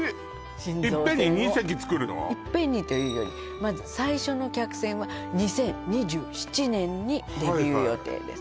新造船をいっぺんにというよりまず最初の客船は２０２７年にデビュー予定です